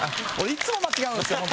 いつも間違えるんですよ、僕。